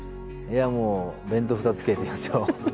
いやもう「弁当２つ食え」と言いますよ。